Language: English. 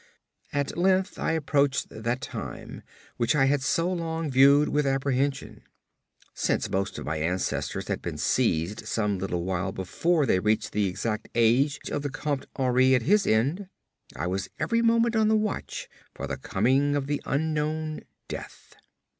At length I approached that time which I had so long viewed with apprehension. Since most of my ancestors had been seized some little while before they reached the exact age of the Comte Henri at his end, I was every moment on the watch for the coming of the unknown death.